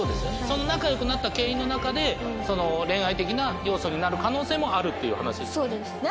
その仲良くなった経緯の中で恋愛的な要素になる可能性もあるっていう話ですよね。